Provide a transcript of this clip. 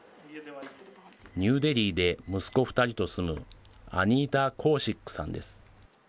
ニューデリーで息子２人と住むアニータ・コーシックさんです。